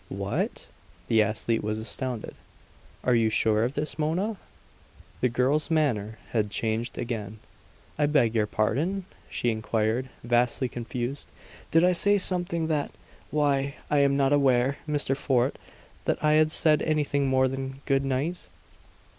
"What!" The athlete was astounded. "Are you sure of this, Mona?" The girl's manner had changed again. "I beg your pardon?" she inquired, vastly confused. "Did I say something that why, I am not aware, Mr. Fort, that I had said anything more than 'good night'!"